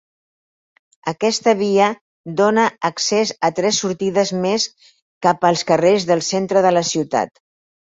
Aquesta via dóna accés a tres sortides més cap als carrers del centre de la ciutat.